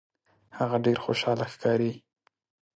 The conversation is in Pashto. هغه ډیر خوشحاله ښکاري.